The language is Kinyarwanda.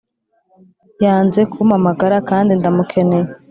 yanze kumamagara kandi ndamukeneye